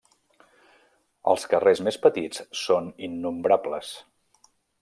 Els carrers més petits són innombrables.